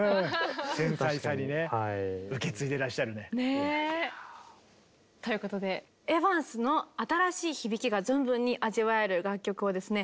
繊細さにね。ね。ということでエヴァンスの新しい響きが存分に味わえる楽曲をですね